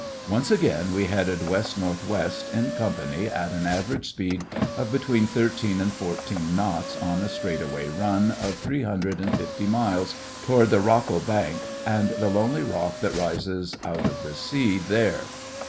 Once again we headed W.N.W. in company at an average speed of between thirteen and fourteen knots on a straightaway run of three hundred and fifty miles toward the Rockal Bank and the lonely rock that rises out of the sea there.